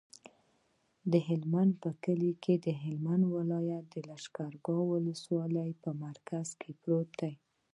د هلمند کلی د هلمند ولایت، لښکرګاه ولسوالي په مرکز کې پروت دی.